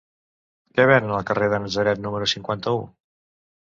Què venen al carrer de Natzaret número cinquanta-u?